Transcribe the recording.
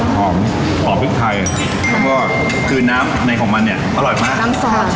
หอมพริกไทยแล้วก็คือน้ำในของมันเนี่ยอร่อยมาก